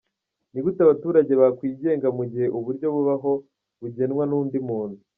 Ni gute abaturage bakwigenga, mu gihe uburyo babaho bugenwa n’undi muntu ?